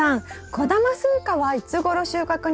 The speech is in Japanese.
小玉スイカはいつごろ収穫になりますか？